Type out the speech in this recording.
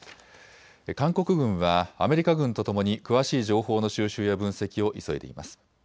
韓国軍はアメリカ軍とともに詳しい情報の収集や分析を急いでいます。